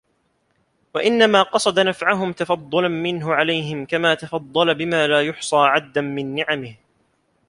وَإِنَّمَا قَصَدَ نَفْعَهُمْ تَفَضُّلًا مِنْهُ عَلَيْهِمْ كَمَا تَفَضَّلَ بِمَا لَا يُحْصَى عَدًّا مِنْ نِعَمِهِ